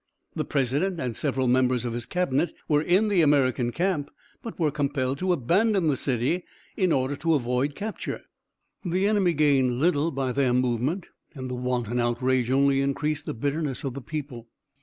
The president and several members of his cabinet were in the American camp, but were compelled to abandon the city in order to avoid capture. The enemy gained little by their movement, and the wanton outrage only increased the bitterness of the people.